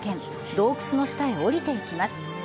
洞窟の下へ降りていきます。